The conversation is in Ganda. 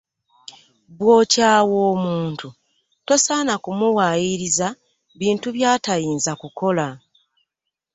Bw'okyawa omuntu tosaana kumuwayiriza bintu byatayinza kukola .